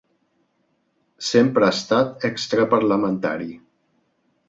Sempre ha estat extraparlamentari.